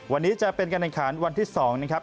วันนี้จะเป็นการแข่งขันวันที่๒นะครับ